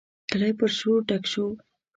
کلی پر شور ډک شو.